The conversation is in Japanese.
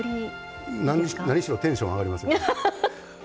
なんにしろテンション上がりますよね。